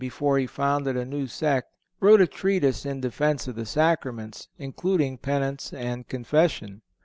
before he founded a new sect, wrote a treatise in defence of the Sacraments, including Penance and Confession.